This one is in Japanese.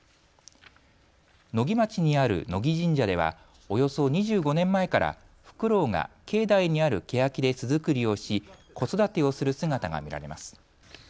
野木町にある野木神社ではおよそ２５年前からフクロウが境内にあるケヤキで巣作りをし子育てをする姿が見られます。